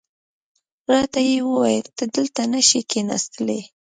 راته یې وویل ته دلته نه شې کېناستلای.